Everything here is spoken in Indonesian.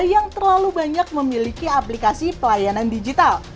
yang terlalu banyak memiliki aplikasi pelayanan digital